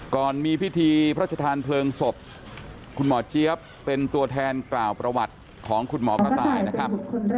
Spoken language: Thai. ก่อนมีพิธีพระชธานเพลิงศพคุณหมอเจี๊ยบเป็นตัวแทนกล่าวประวัติของคุณหมอกระต่ายนะครับ